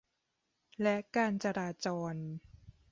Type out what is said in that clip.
และการจราจร